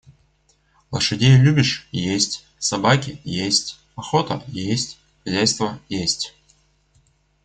Лошадей любишь — есть, собаки — есть, охота — есть, хозяйство — есть.